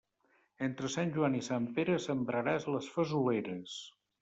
Entre Sant Joan i Sant Pere sembraràs les fesoleres.